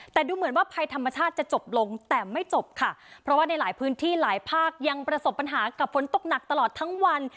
แต่ดูเหมือนว่าภัยธรรมชาติจะจบลงแต่ไม่จบค่ะเพราะว่าในหลายพื้นที่หลายภาคยังประสบปัญหากับฝนตกหนักตลอดทั้งวัน